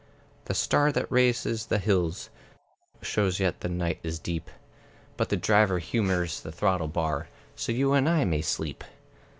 The star that races the hills Shows yet the night is deep; But the Driver humors the throttle bar; So, you and I may sleep.